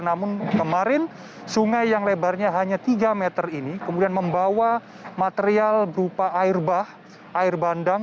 namun kemarin sungai yang lebarnya hanya tiga meter ini kemudian membawa material berupa air bah air bandang